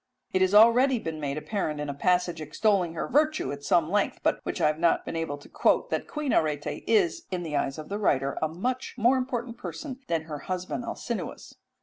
It has already been made apparent in a passage extolling her virtue at some length, but which I have not been able to quote, that Queen Arete is, in the eyes of the writer, a much more important person than her husband Alcinous.